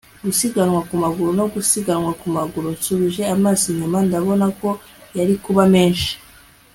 gusiganwa ku maguru no gusiganwa ku maguru. nsubije amaso inyuma, ndabona ko yari kuba menshi